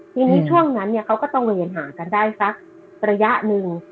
ทีนี้ช่วงนั้นเนี่ยเขาก็ต้องเวียนหากันได้สักระยะหนึ่ง